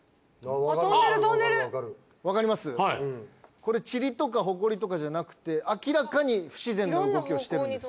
これチリとかホコリとかじゃなくて明らかに不自然な動きをしてるんです。